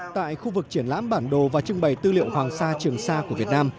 tại khu vực triển lãm bản đồ và trưng bày tư liệu hoàng sa trường sa của việt nam